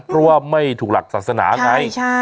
เพราะว่าไม่ถูกหลักศาสนาไง